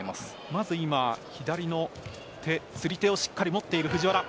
まず左の釣り手をしっかり持っている藤原。